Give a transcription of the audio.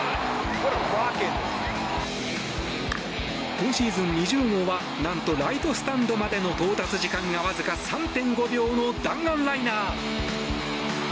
今シーズン、２０号はなんとライトスタンドまでの到達時間がわずか３．５秒の弾丸ライナー。